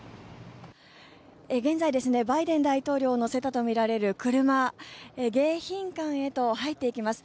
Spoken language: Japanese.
現在、バイデン大統領を乗せたとみられる車迎賓館へと入っていきます。